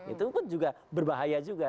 itu pun juga berbahaya juga